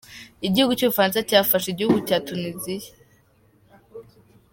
Igihugu cy’ubufaransa cyafashe igihugu cya Tuniziya.